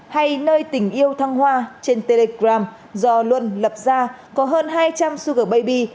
hay nơi tình yêu thăng hoa trên telegram do luân lập ra có hơn hai trăm linh sugar baby